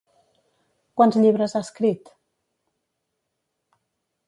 Quants llibres ha escrit?